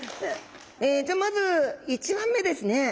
じゃあまず１番目ですね。